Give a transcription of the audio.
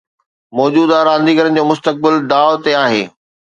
موجوده رانديگرن جو مستقبل داء تي آهي